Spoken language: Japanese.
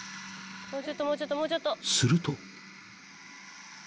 ［すると］